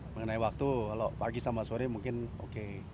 mengenai waktu kalau pagi sama sore mungkin oke